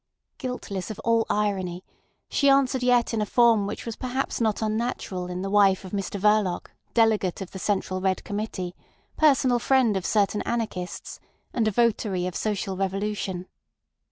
Guiltless of all irony, she answered yet in a form which was not perhaps unnatural in the wife of Mr Verloc, Delegate of the Central Red Committee, personal friend of certain anarchists, and a votary of social revolution.